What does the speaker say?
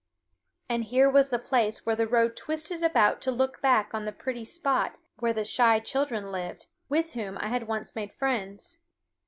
And here was the place where the road twisted about to look back on the pretty spot where the shy children lived, with whom I had once made friends.